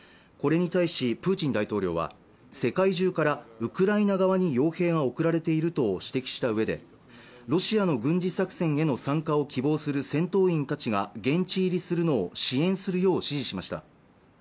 これに対しプーチン大統領は世界中からウクライナ側に傭兵が送られていると指摘したうえでロシアの軍事作戦への参加を希望する戦闘員達が現地入りするのを支援するよう指示しました